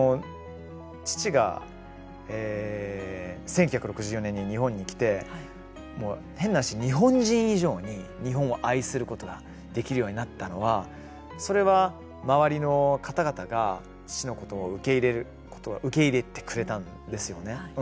父が１９６４年に日本に来て変な話、日本人以上に日本を愛することができるようになったのはそれは周りの方々が父のことを受け入れてくれたんですよね。